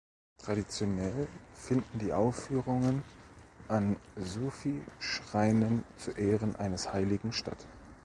Traditionell finden die Aufführungen an Sufi-Schreinen zu Ehren eines Heiligen statt.